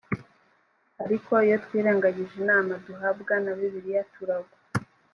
ariko iyo twirengagije inama duhabwa na bibiliya turagwa